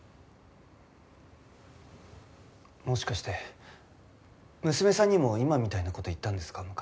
もしかして娘さんにも今みたいな事言ったんですか？